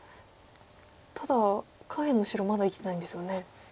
ただ下辺の白まだ生きてないんですよね。